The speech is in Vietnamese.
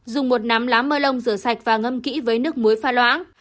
dùng một nắm lá mưa lông rửa sạch và ngâm kỹ với nước muối pha loãng